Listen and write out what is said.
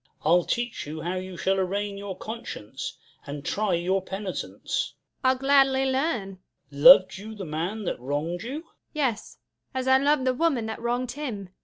Duke. I'll teach you how you shall arraign your conscience, And try your penitence. Jul. I'll gladly learn. Duke. Lov'd you the man that wrong'd you 1 Jul. Yes, as I lov'd the woman that wrong'd him.